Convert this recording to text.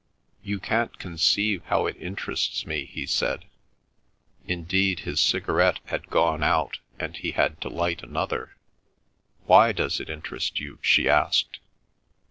"You can't conceive how it interests me," he said. Indeed, his cigarette had gone out, and he had to light another. "Why does it interest you?" she asked.